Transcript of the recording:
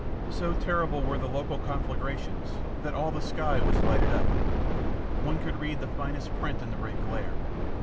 So terrible were the local conflagrations that all the sky was lighted up. One could read the finest print in the red glare.